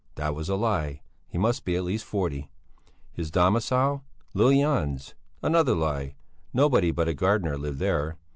That was a lie; he must be at least forty. His domicile? Lill Jans! Another lie; nobody but a gardener lived there.